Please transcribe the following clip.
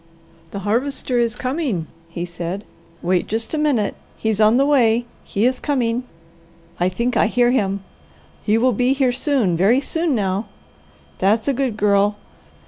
"The Harvester is coming," he said. "Wait just a minute, he's on the way. He is coming. I think I hear him. He will be here soon, very soon now. That's a good girl!